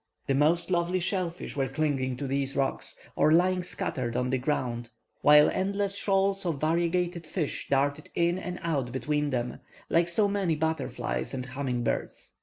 The most lovely shell fish were clinging to these rocks, or lying scattered on the ground, while endless shoals of variegated fish darted in and out between them, like so many butterflies and humming birds.